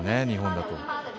日本だと。